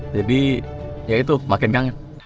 jadi ya itu makin kangen